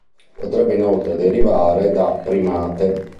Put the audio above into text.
Potrebbe inoltre derivare da "primate".